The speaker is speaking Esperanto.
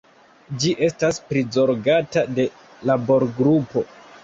Ĝi estas prizorgata de laborgrupo.